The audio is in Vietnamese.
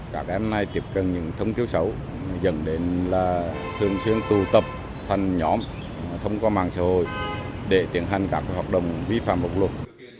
các em này tiếp cận những thông tiêu xấu dẫn đến là thường xuyên tụ tập thành nhóm thông qua mạng xã hội để tiến hành các hoạt động vi phạm bộ luật